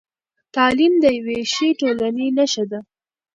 تعلیم د یوې ښې ټولنې نښه ده.